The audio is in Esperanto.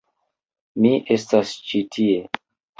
Mi estas ĉi tie.